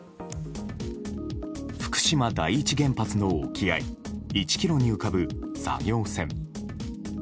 福島第一原発の沖合１ｋｍに浮かぶ、作業船。